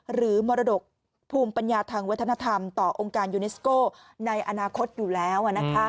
มรดกภูมิปัญญาทางวัฒนธรรมต่อองค์การยูเนสโก้ในอนาคตอยู่แล้ว